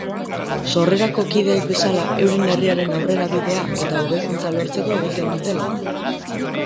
Sorrerako kideek bezala, euren herriaren aurrerabidea eta hobekuntza lortzeko egiten dute lan.